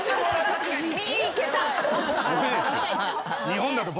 日本だと。